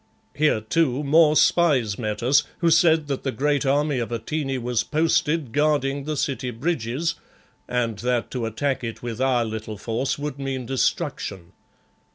Here, too, more spies met us, who said that the great army of Atene was posted guarding the city bridges, and that to attack it with our little force would mean destruction.